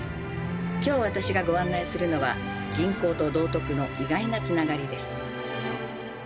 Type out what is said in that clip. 今日、私がご案内するのは銀行と道徳の意外なつながりです。